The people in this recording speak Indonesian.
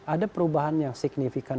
ada perubahan yang signifikan